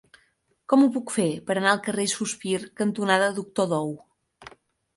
Com ho puc fer per anar al carrer Sospir cantonada Doctor Dou?